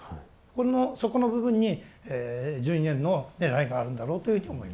このそこの部分に１２年のねらいがあるんだろうというふうに思います。